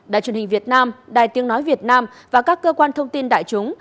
đài truyền hình việt nam đài tiếng nói việt nam và các cơ quan thông tin đại chúng